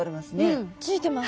うんついてます。